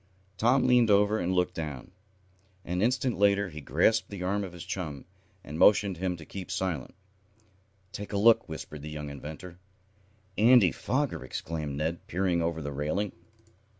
Tom leaned over and looked down. An instant later he grasped the arm of his chum, and motioned to him to keep silent. "Take a look," whispered the young inventor. "Andy Foger!" exclaimed Ned, peering over the railing.